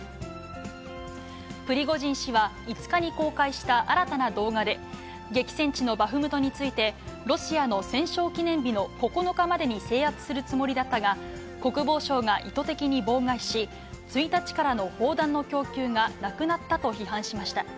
プリゴジン氏は、５日に公開した新たな動画で、激戦地のバフムトについて、ロシアの戦勝記念日の９日までに制圧するつもりだったが、国防省が意図的に妨害し、１日からの砲弾の供給がなくなったと批判しました。